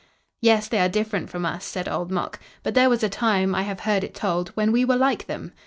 "Yes, they are different from us," said Old Mok, "but there was a time, I have heard it told, when we were like them.